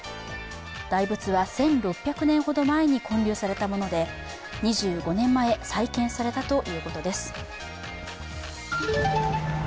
大仏は１６００年ほど前に建立されたもので、２５年前、再建されたということです。